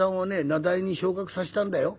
名題に昇格させたんだよ。